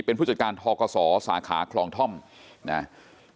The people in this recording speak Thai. เป็นผู้จัดการทกศสาขาคลองท่อมนะ